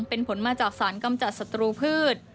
เป็นผลมาจากสารกำจัดศัตรูพืช